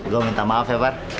gue minta maaf ya pak